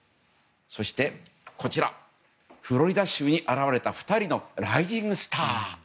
そして、こちらフロリダ州に現れた２人のライジングスター。